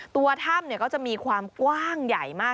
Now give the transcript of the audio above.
ตัวถ้ำก็จะมีความกว้างใหญ่มาก